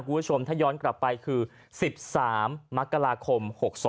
คุณผู้ชมถ้าย้อนกลับไปคือ๑๓มกราคม๖๒